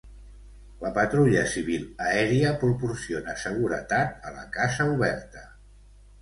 La patrulla civil aèria proporciona seguretat a la casa oberta.